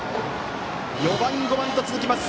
４番、５番と続きます。